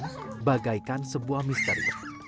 sebagai sebuah misteri